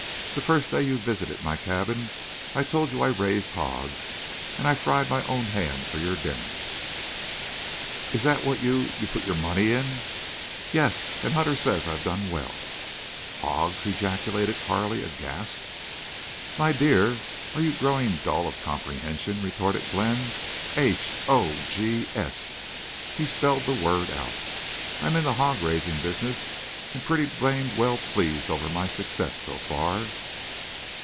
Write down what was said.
"The first day you visited my cabin I told you I raised hogs, and I fried my own ham for your dinner." "Is that what you—put your money in?" "Yes. And Hutter says I've done well." "Hogs!" ejaculated Carley, aghast. "My dear, are you growin' dull of comprehension?" retorted Glenn. "H o g s." He spelled the word out. "I'm in the hog raising business, and pretty blamed well pleased over my success so far."